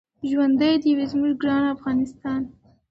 ژوندی دې وي زموږ ګران افغانستان.